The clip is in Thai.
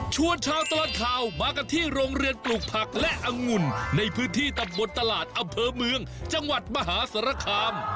ชาวตลอดข่าวมากันที่โรงเรียนปลูกผักและอังุ่นในพื้นที่ตำบลตลาดอำเภอเมืองจังหวัดมหาสารคาม